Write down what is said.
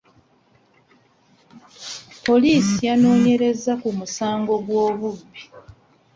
Poliisi yanoonyerezza ku musango gw'obubbi .